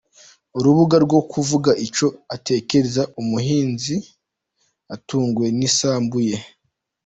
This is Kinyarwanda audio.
urubuga rwo kuvuga icyo atekereza; Umuhinzi atungwe n’isambu ye